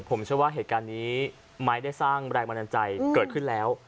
ผมเชื่อว่าเหตุการณ์นี้ไม้ได้สร้างแรงบันดาลใจเกิดขึ้นแล้ว